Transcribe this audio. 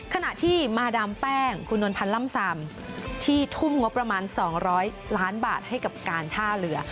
ขณะที่มาดามแป้งคุณนวลพันธ์ล่ำซำที่ทุ่มงบประมาณ๒๐๐ล้านบาทให้กับการท่าเรือ